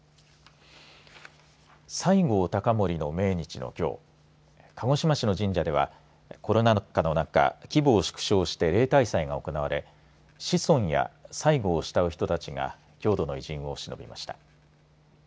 西郷隆盛の命日のきょう鹿児島市の神社ではコロナ禍の中規模を縮小して例大祭が行われ子孫や西郷を慕う人たちが郷土の偉人をしのびました。